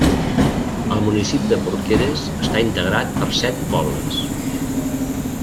El municipi de Porqueres està integrat per set pobles.